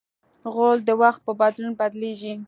غول د وخت په بدلون بدلېږي.